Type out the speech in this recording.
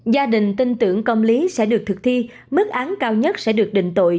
gia đình tin tưởng công lý sẽ được thực thi mức án cao nhất sẽ được định tội